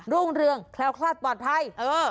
ร่วงเรืองแคล้วแคล้วต่อดภัย